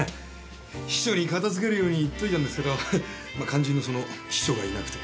秘書に片付けるように言っといたんですけど肝心のその秘書がいなくて。